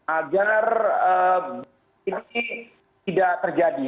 agar ini tidak terjadi